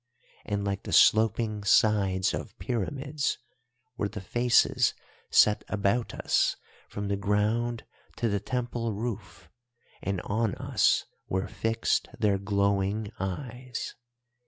And like the sloping sides of pyramids were the faces set about us from the ground to the Temple roof—and on us were fixed their glowing eyes.